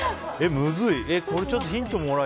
むずい。